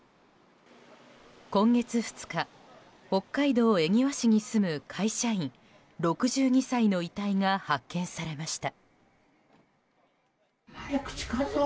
今月２日、北海道恵庭市に住む会社員、６２歳の遺体が発見されました。